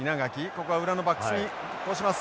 ここは裏のバックスに通します。